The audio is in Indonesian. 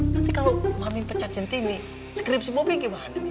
nanti kalau mamih pecat centini skripsi bobby gimana mi